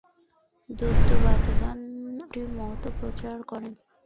দ্বৈতবাদিগণ আর একটি মতও প্রচার করেন।